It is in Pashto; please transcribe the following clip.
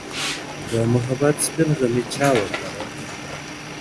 د محبت سپين غمـــــــي چـــــــــــا وکـــــــــرل .